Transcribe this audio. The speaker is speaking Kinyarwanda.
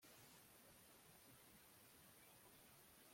Tuzongera guhurira he